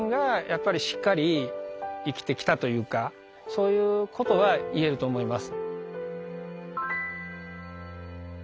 そういうことは言えると思います。